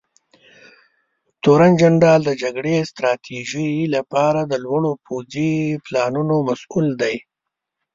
تورنجنرال د جګړې ستراتیژۍ لپاره د لوړو پوځي پلانونو مسوول دی.